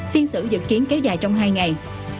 phiên xử dự kiến kéo dài trong hai ngày